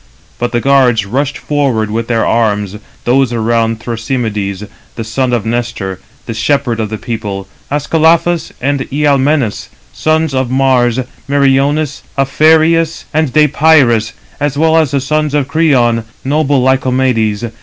But the guards rushed forth with their arms, [those around] Thrasymedes, the son of Nestor, the shepherd of the people, Ascalaphus and Ialmenus, sons of Mars, Meriones, Aphareus, and Deïpyrus, as well as the son of Creon, noble Lycomedes.